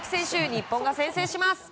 日本が先制します。